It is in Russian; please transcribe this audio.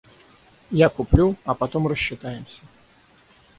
Я куплю, а потом рассчитаемся.